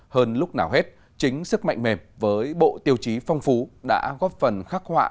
hơn lúc nào hết chính sức mạnh mềm với bộ tiêu chí phong phú đã góp phần khắc họa